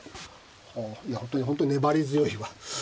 いや本当に粘り強いわ。